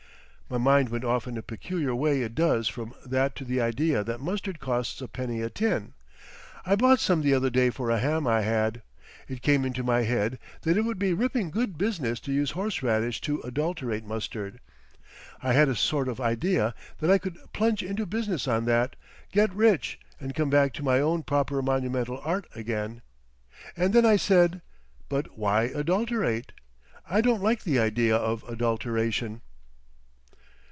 My mind went off in a peculiar way it does from that to the idea that mustard costs a penny a tin—I bought some the other day for a ham I had. It came into my head that it would be ripping good business to use horseradish to adulterate mustard. I had a sort of idea that I could plunge into business on that, get rich and come back to my own proper monumental art again. And then I said, 'But why adulterate? I don't like the idea of adulteration.